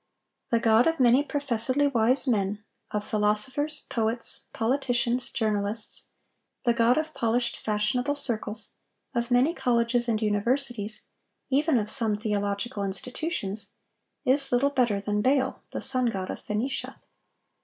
The god of many professedly wise men, of philosophers, poets, politicians, journalists,—the god of polished fashionable circles, of many colleges and universities, even of some theological institutions,—is little better than Baal, the sun god of Phenicia.